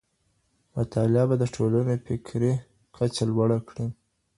مطالعه به د ټولني فکري کچه لوړه کړي.